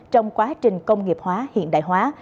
trong quá trình công nghiệp hóa hiện đại hóa